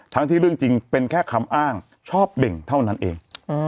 ทั้งที่เรื่องจริงเป็นแค่คำอ้างชอบเบ่งเท่านั้นเอง